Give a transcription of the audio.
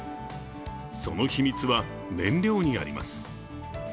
その秘密は、燃料にあります。